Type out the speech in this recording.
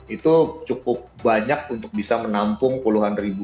itu cukup banyak untuk bisa menampung pulau pulau